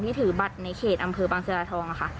ที่ถือบัตรในเขตอำเภอปังเศร้าทอง